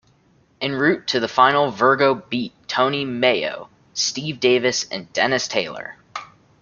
En route to the final Virgo beat Tony Meo, Steve Davis and Dennis Taylor.